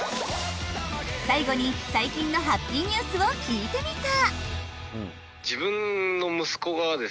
最後に最近のハッピーニュースを聞いてみた。